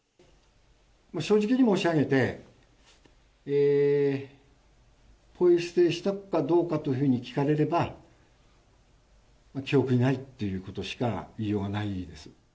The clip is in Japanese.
正直に申し上げてポイ捨てしたかどうかと聞かれれば記憶にないということしか言いようがないです。